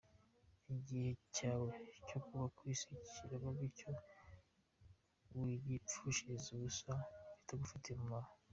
Igihe cyawe cyo kuba kw’isi kiraba, Bityo wigipfushiriza ubusa mubitagufitiye umumaro.